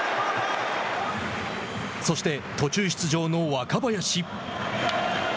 そして、途中出場の若林。